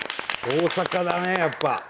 大阪だねやっぱ。